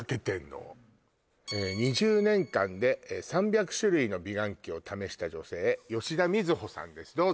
「２０年間で３００種類の美顔器を試した女性吉田瑞穂」さんです